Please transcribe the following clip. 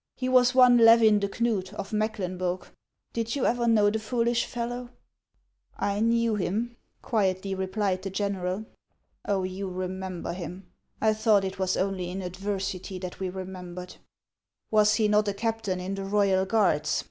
He was one Levin de Knud, of Mecklenburg. Did you ever know the foolish fellow ?"" I knew him," quietly replied the general. " Oh, you remember him ! I thought it was only in adversity that we remembered." " Was he not a captain in the Royal Guards ?